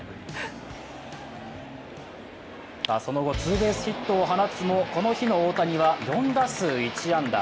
その後、ツーベースヒットを放つも、この日の大谷は４打数１安打。